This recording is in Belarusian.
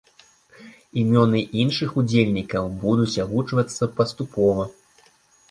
Імёны іншых удзельнікаў будуць агучвацца паступова.